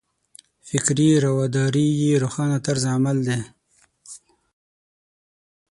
فکري رواداري یې روښانه طرز عمل دی.